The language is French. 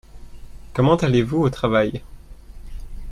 Comment allez-vous au travail ?